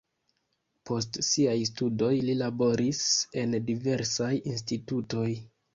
Post siaj studoj li laboris en diversaj institutoj.